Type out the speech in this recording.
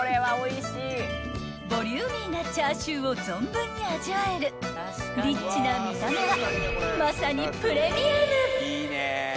［ボリューミーなチャーシューを存分に味わえるリッチな見た目は］